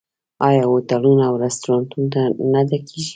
آیا هوټلونه او رستورانتونه نه ډکیږي؟